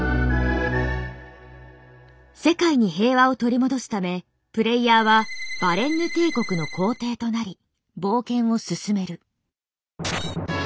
世界に平和を取り戻すためプレイヤーはバレンヌ帝国の皇帝となり冒険を進める。